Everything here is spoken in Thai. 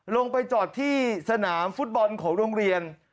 ลงไปจอดที่สนามฟุตบอลของโรงเรียน